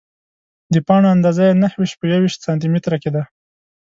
د پاڼو اندازه یې نهه ویشت په یوویشت سانتي متره کې ده.